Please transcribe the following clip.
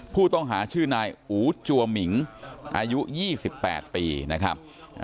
ผู้ต้องหาชื่อนายอู๋จัวหมิงอายุ๒๘ปีนะครับ